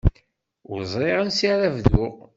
Ur ẓriɣ ansi ara bduɣ.